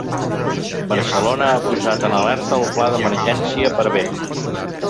Barcelona ha posat en alerta el pla d’emergència per vent.